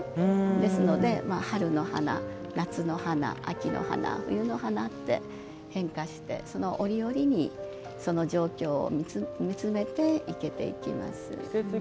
ですので、春の花、夏の花秋の花、冬の花と変化して、その折々にその状況を見つめて生けていきます。